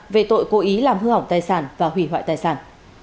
về tội cố ý làm hư hỏng tài sản và hủy hoại tài sản